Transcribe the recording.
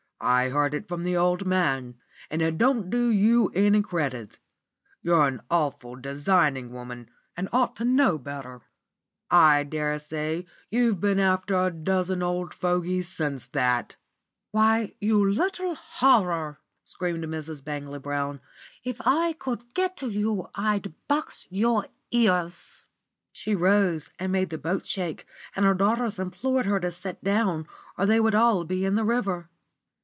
I heard it from the old man, and it don't do you any credit. You're an awful designing woman, and ought to know better. I daresay you've been after a dozen old fogeys since that." "You little horror!" screamed Mrs. Bangley Brown, "if I could get to you I'd box your ears." She rose and made the boat shake, and her daughters implored her to sit down, or they would all be in the river.